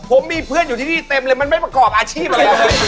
ผมมีเพื่อนอยู่ที่นี่เต็มเลยมันไม่ประกอบอาชีพอะไรเลย